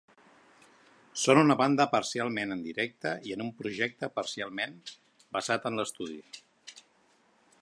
Són una banda parcialment en directe i amb un projecte parcialment basat en l'estudi.